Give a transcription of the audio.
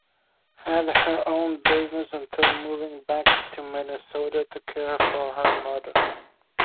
Had her own business until moving back to Minnesota to care for her mother.